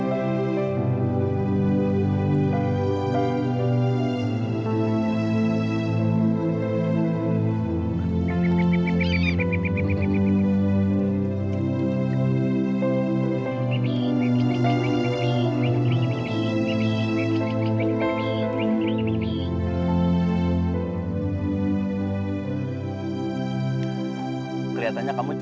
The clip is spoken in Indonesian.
ayo berangkat dulu deh